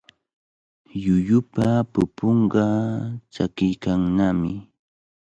Llullupa pupunqa tsakiykannami.